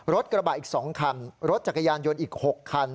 รถกระบะอีก๒คันรถจักรยานยนต์อีก๖คัน